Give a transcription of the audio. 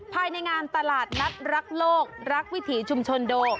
ภายในงานตลาดนัดรักโลกรักวิถีชุมชนโด